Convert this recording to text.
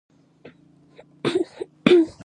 طالبان د نظامي پالي اسلام ځواکونه دي.